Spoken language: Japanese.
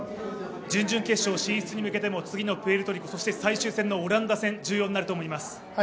準々決勝進出に向けても次のプエルトリコ、そして最終戦のオランダ戦、重要になると思います。